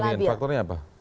kenapa demikian faktornya apa